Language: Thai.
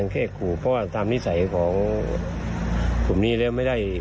แค่ขู่เพราะว่าตามนิสัยของกลุ่มนี้แล้วไม่ได้